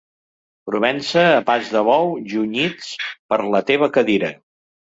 Provença a pas de bou, junyits per la teva cadira.